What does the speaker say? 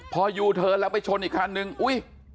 พอยูเทิร์นแล้วไปชนอีกคันนึงอุ้ย